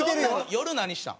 夜何したん？